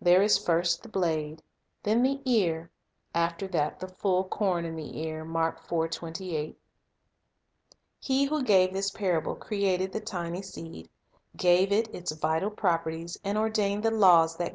There is "first the blade, then the ear, after that the full corn in the ear."' 2 He who gave this parable created the tiny seed, gave it its vital properties, and ordained the laws that govern »Hosea6:3; Mai.